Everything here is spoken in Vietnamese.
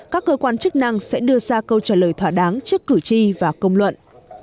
các cơ quan chức năng sẽ đưa ra câu trả lời thỏa đáng trước cử tri và công luận